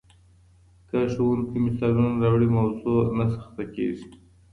که ښوونکی مثالونه راوړي، موضوع نه سخته کیږي.